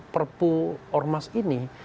perpu ormas ini